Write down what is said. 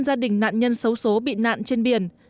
gia đình nạn nhân xấu xố bị nạn trên biển